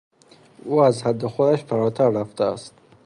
او از حد خودش فراتر رفته است.